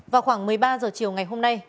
vào khoảng một mươi ba h chiều ngày hôm nay